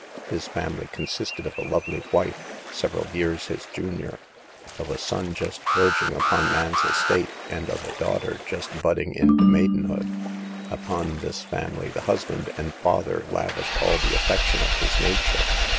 His family consisted of a lovely wife, several years his junior, of a son just verging upon (9) 10 SAVE THE GIRLS. man's estate, and of a daughter just budding into maidenhood. Upon this family the hus band and father lavished all the affection of his nature.